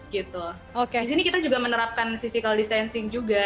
di sini kita juga menerapkan physical distancing juga